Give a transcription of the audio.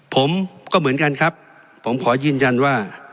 ผมก็เหมือนกันครับผมขอยืนยันว่า